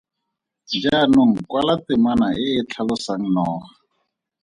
Jaanong kwala temana e e tlhalosang noga.